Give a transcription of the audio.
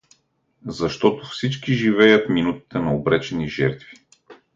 Защото всички живеят минутите на обречени жертви.